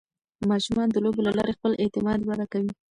ماشومان د لوبو له لارې خپل اعتماد وده کوي.